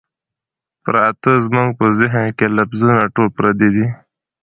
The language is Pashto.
پراتۀ زمونږ پۀ ذهن کښې لفظونه ټول پردي دي